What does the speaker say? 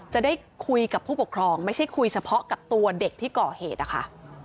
จะได้คุยกับผู้ปกครองไม่ใช่คุยเฉพาะกับตัวเด็กที่ก่อเหตุนะคะ